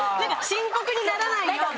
深刻にならないように。